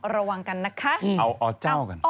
ระวังกันนะคะเอาอเจ้ากัน